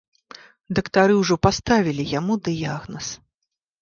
Дактары ўжо паставілі яму дыягназ.